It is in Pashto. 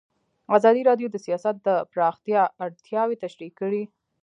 ازادي راډیو د سیاست د پراختیا اړتیاوې تشریح کړي.